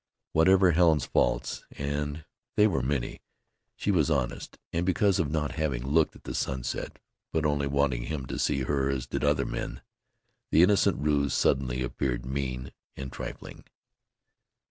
Whatever Helen's faults, and they were many, she was honest, and because of not having looked at the sunset, but only wanting him to see her as did other men, the innocent ruse suddenly appeared mean and trifling.